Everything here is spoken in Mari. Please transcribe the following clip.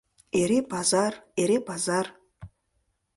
Эре пазар, эре пазар: